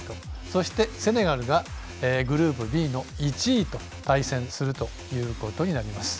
そして、セネガルがグループＢの１位と対戦するということになります。